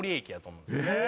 え！